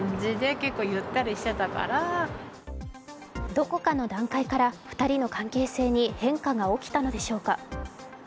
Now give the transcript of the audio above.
どこかの段階から２人の関係性に変化が起きたのでしょうか。